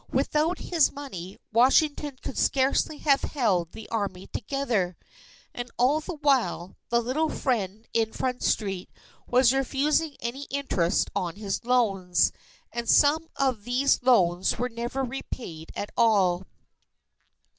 Without his money, Washington could scarcely have held the Army together. And all the while, the little friend in Front Street was refusing any interest on his loans; and some of these loans were never repaid at all.